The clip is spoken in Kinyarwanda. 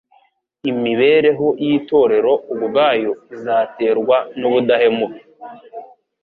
Imibereho y'itorero ubwayo izaterwa n'ubudahemuka